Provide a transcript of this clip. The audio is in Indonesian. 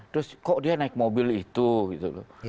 terus kok dia naik mobil itu gitu loh